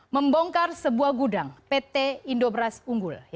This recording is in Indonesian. membongkar sebuah gudang pt indobras unggul